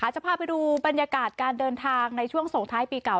จะพาไปดูบรรยากาศการเดินทางในช่วงส่งท้ายปีเก่า